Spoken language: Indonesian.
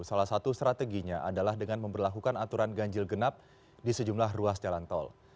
salah satu strateginya adalah dengan memperlakukan aturan ganjil genap di sejumlah ruas jalan tol